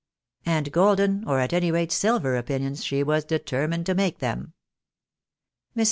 And golden, or at any rate, silver opinions, she was determined to make them. Mrs.